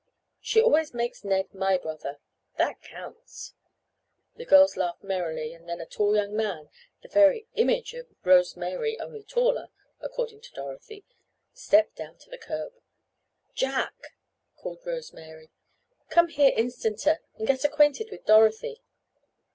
"She always makes Ned my brother. That counts." The girls laughed merrily and then a tall young man, the "very image of Rose Mary only taller," according to Dorothy, stepped down to the curb. "Jack!" called Rose Mary. "Come here instanter and get acquainted with Dorothy."